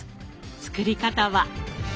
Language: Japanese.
作り方は。